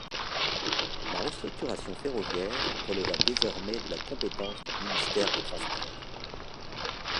La restructuration ferroviaire releva désormais de la compétence du ministère des Transports.